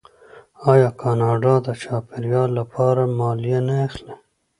آیا کاناډا د چاپیریال لپاره مالیه نه اخلي؟